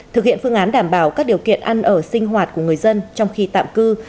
thực hiện phương án đảm bảo các điều kiện ăn ở sinh hoạt của người dân trong khi tạm cư